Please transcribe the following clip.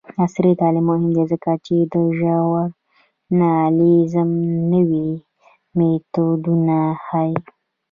عصري تعلیم مهم دی ځکه چې د ژورنالیزم نوې میتودونه ښيي.